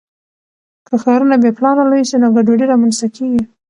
که ښارونه بې پلانه لوی سي نو ګډوډي رامنځته کیږي.